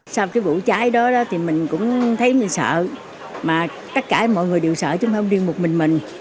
sau cái vụ cháy đó thì mình cũng thấy mình sợ mà tất cả mọi người đều sợ chứ không riêng một mình mình